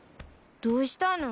どうしたの？